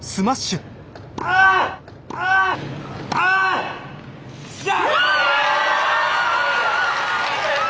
あ！っしゃ！